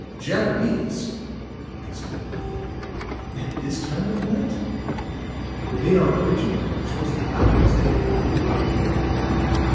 "Japanese!" exclaimed he. "At this time of the night? They are original in their choice of hours, anyhow."